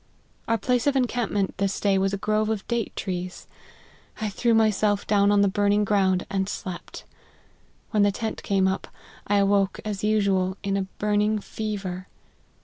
Our place of encampment this day was f a grove of date trees. I threw myself down on the burning ground, and slept : when the tent came up, I awoke, as usual, in a burning fever.